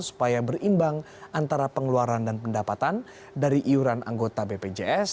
supaya berimbang antara pengeluaran dan pendapatan dari iuran anggota bpjs